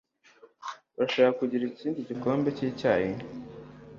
Urashaka kugira ikindi gikombe cyicyayi?